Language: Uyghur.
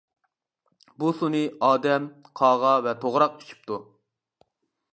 بۇ سۇنى ئادەم، قاغا ۋە توغراق ئىچىپتۇ.